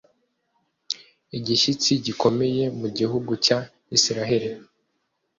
igishyitsi gikomeye mu gihugu cya isirayeli